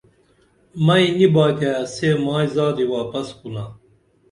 مئی نی باتیہ سے مائی زادی واپس کُنا